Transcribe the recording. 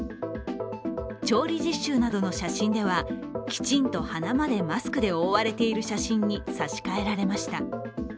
調理実習などの写真では、きちんと鼻までマスクで覆われている写真に差し替えられました。